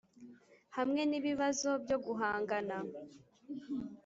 hamwe n’ibibazo byo guhangana